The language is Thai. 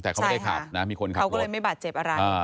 แต่เขาไม่ได้ขับนะมีคนขับเขาก็เลยไม่บาดเจ็บอะไร